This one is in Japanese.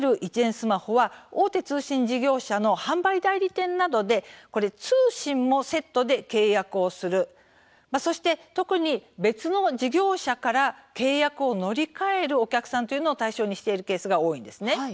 スマホは大手通信事業者の販売代理店などで通信もセットで契約をするそして特に、別の事業者から契約を乗り換えるお客さんを対象にしているケースが多いんですね。